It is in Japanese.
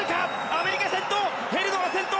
アメリカ、先頭！